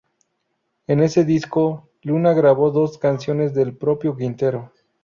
En ese disco, Luna grabó dos canciones del propio Quintero.